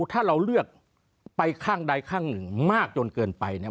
ถ้าเราเลือกไปข้างใดข้างหนึ่งมากจนเกินไปเนี่ย